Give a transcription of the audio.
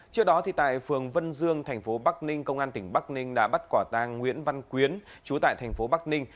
trước đó tại phường vân dương thành phố bắc ninh công an tỉnh bắc ninh đã bắt quả tàng nguyễn văn quyến chú tại thành phố bắc ninh